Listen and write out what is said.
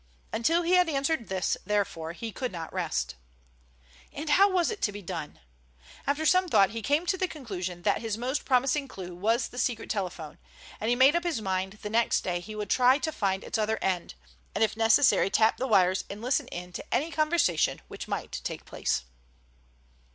Until he had answered this, therefore, he could not rest. And how was it to be done? After some thought he came to the conclusion that his most promising clue was the secret telephone, and he made up his mind the next day he would try to find its other end, and if necessary tap the wires and listen in to any conversation which might take place.